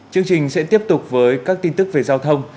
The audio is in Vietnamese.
chương trình sẽ tiếp tục với các tin tức về giao thông